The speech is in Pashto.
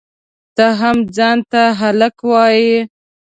ته هم ځان ته هلک وایئ؟!